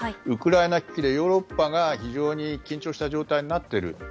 ウクライナ危機でヨーロッパが非常に緊張した状態になっている。